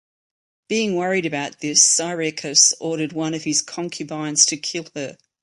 Being worried about this Cyriacus ordered one of his concubines to kill her.